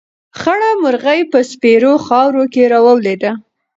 خړه مرغۍ په سپېرو خاورو کې راولوېده.